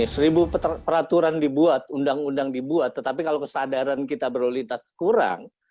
seribu peraturan dibuat undang undang dibuat tetapi kalau kesadaran kita berlalu lintas kurang